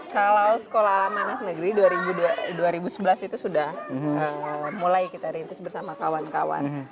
kalau sekolah alam anak negeri dua ribu sebelas itu sudah mulai kita rintis bersama kawan kawan